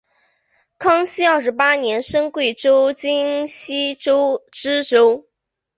康熙二十八年升贵州黔西州知州。